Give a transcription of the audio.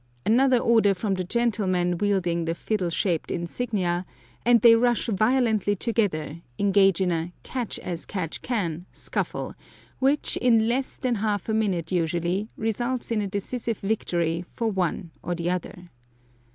Another order from the gentleman wielding the fiddle shaped insignia, and they rush violently together, engage in a "catch as catch can" scuffle, which, in less than half a minute usually, results in a decisive victory for one or the other.